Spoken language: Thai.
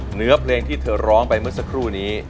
เหนือเพลงที่เธอร้องไปเมื่อสักครู่นี้